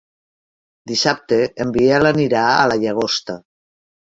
Dissabte en Biel anirà a la Llagosta.